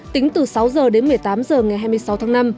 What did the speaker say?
tính từ sáu h đến một mươi tám h ngày hai mươi sáu tháng năm